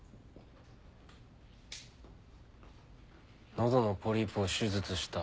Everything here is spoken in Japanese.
「喉のポリープを手術した」